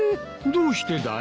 どうしてだい？